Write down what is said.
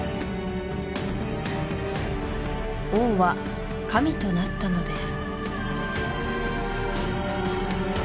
王は神となったのです